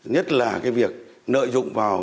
nhất là việc nợi dụng vào